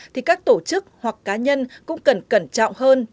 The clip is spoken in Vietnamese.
thì các tổ chức hoặc cá nhân cũng cần cẩn trọng hơn